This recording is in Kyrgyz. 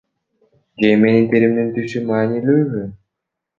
Же менин теримдин түсү маанилүүбү?